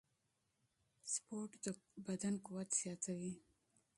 سپورت د بدن قوت زیاتوي.